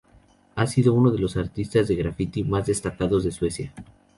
Ha sido uno de los artistas de graffiti más destacados de Suecia.